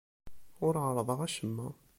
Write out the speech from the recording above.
Ur ɛerrḍeɣ acemma.